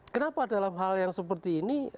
kenapa dalam hal yang seperti ini